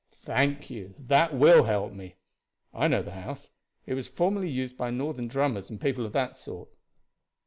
"Thank you. That will help me. I know the house. It was formerly used by Northern drummers and people of that sort."